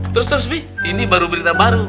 terus terus mi ini baru berita baru